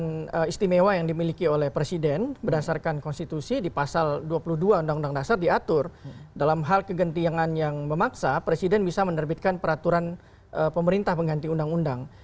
yang istimewa yang dimiliki oleh presiden berdasarkan konstitusi di pasal dua puluh dua undang undang dasar diatur dalam hal kegentingan yang memaksa presiden bisa menerbitkan peraturan pemerintah pengganti undang undang